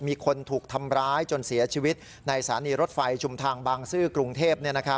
มีคนถูกทำร้ายจนเสียชีวิตในสถานีรถไฟชุมทางบางซื่อกรุงเทพ